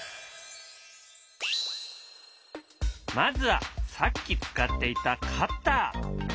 まずはさっき使っていたカッター。